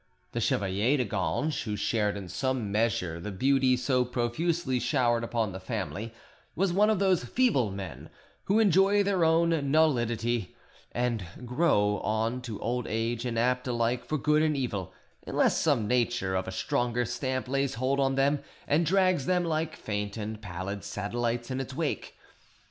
The chevalier de Ganges, who shared in some measure the beauty so profusely showered upon the family, was one of those feeble men who enjoy their own nullity, and grow on to old age inapt alike for good and evil, unless some nature of a stronger stamp lays hold on them and drags them like faint and pallid satellites in its wake.